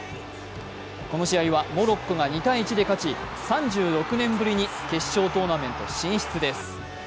この試合はモロッコが２−１で勝ち、３６年ぶりに決勝トーナメント進出です。